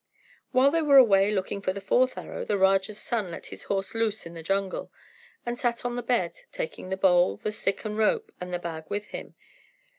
While they were away looking for the fourth arrow the Raja's son let his horse loose in the jungle, and sat on the bed, taking the bowl, the stick and rope, and the bag with him.